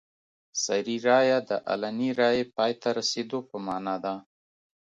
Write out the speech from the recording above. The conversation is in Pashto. سري رایه د علني رایې پای ته رسېدو په معنا وه.